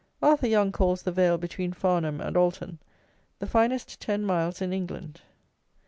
Arthur Young calls the vale between Farnham and Alton the finest ten miles in England.